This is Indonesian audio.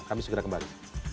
kami segera kembali